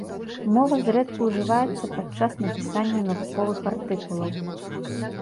Мова зрэдку ужываецца падчас напісання навуковых артыкулаў.